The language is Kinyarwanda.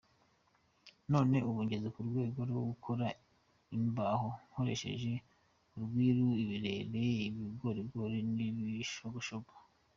None ubu ngeze ku rwego rwo gukora imbaho nkoresheje urwiri, ibirere, ibigorigori n’ibishogoshogo.